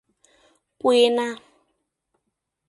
— Пуэна.